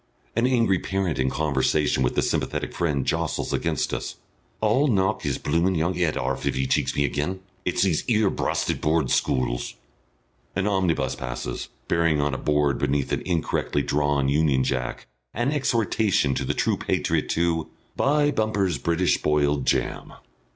An angry parent in conversation with a sympathetic friend jostles against us. "I'll knock his blooming young 'ed orf if 'e cheeks me again. It's these 'ere brasted Board Schools " An omnibus passes, bearing on a board beneath an incorrectly drawn Union Jack an exhortation to the true patriot to "Buy Bumper's British Boiled Jam."